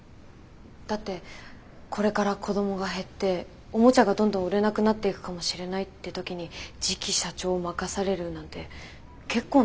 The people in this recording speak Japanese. だってこれから子どもが減っておもちゃがどんどん売れなくなっていくかもしれないって時に次期社長を任されるなんて結構なプレッシャーですよね。